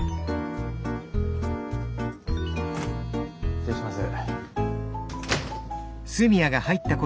失礼します。